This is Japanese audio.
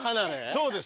そうです。